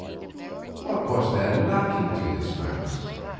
What was there lacking to this man?